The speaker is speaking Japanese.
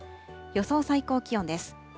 予想最高気温です。